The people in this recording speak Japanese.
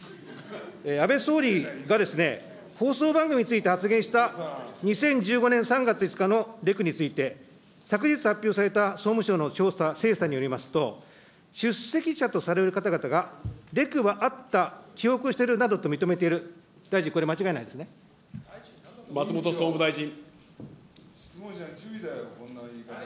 安倍総理が放送番組について発言した２０１５年３月５日のレクについて、昨日発表された総務省の精査によりますと、出席者とされる方々がレクはあった、記憶してるなどと認めている、大臣、これ、松本総務大臣。